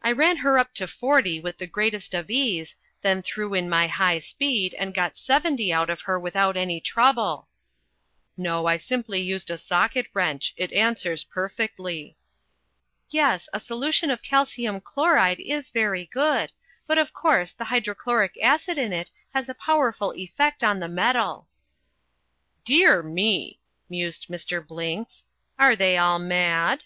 "I ran her up to forty with the greatest of ease, then threw in my high speed and got seventy out of her without any trouble." "No, I simply used a socket wrench, it answers perfectly." "Yes, a solution of calcium chloride is very good, but of course the hydrochloric acid in it has a powerful effect on the metal." "Dear me," mused Mr. Blinks, "are they all mad?"